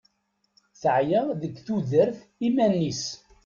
Teɛya deg tudert iman-is.